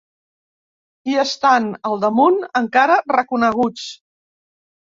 I estant, al damunt, encara reconeguts